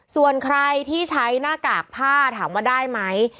ส่วนใครที่ใช้หน้ากากผ้าถามว่าได้ไหม